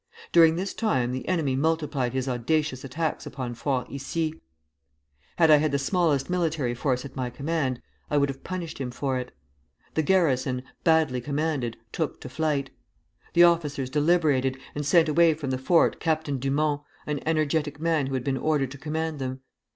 During this time the enemy multiplied his audacious attacks upon Fort Issy; had I had the smallest military force at my command, I would have punished him for it. The garrison, badly commanded, took to flight. The officers deliberated, and sent away from the fort Captain Dumont, an energetic man who had been ordered to command them.